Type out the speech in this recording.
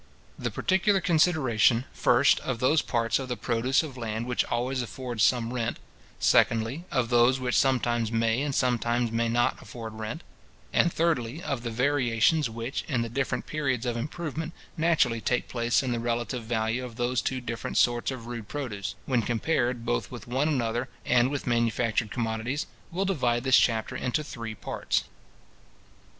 The particular consideration, first, of those parts of the produce of land which always afford some rent; secondly, of those which sometimes may and sometimes may not afford rent; and, thirdly, of the variations which, in the different periods of improvement, naturally take place in the relative value of those two different sorts of rude produce, when compared both with one another and with manufactured commodities, will divide this chapter into three parts.